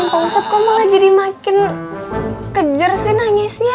pak ustadz kok malah jadi makin kejar sih nangisnya